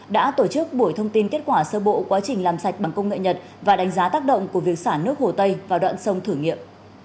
đã tổ chức buổi thông tin kết quả sơ bộ quá trình làm sạch bằng công nghệ nhật và đánh giá tác động của việc xả nước hồ tây vào đoạn sông thử nghiệm